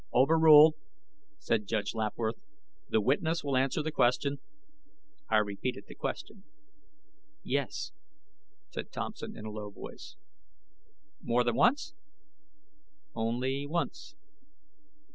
"Overruled," said Judge Lapworth. "The witness will answer the question." I repeated the question. "Yes," Thompson said in a low voice. "More than once?" "Only once."